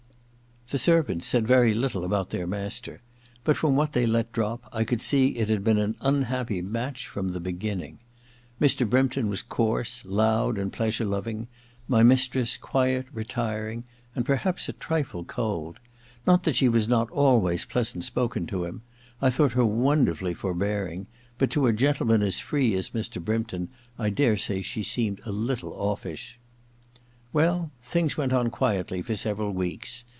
The servants said very little about their master ; but from what they let drop I could see it had been an unhappy match from the beginning. Mr. Brympton was coarse, loud, and pleasure loving ; my mistress quiet, retiring, and perhaps a tnfle cold. Not that she was not always pleasant spoken to him : I thought her wonderfully forbearing ; but to a gentleman as free as Mr. Brympton I daresay she seemed a little offish. Well, things went on quietly for several weeks.